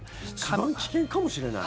一番危険かもしれない？